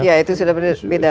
ya itu sudah berbeda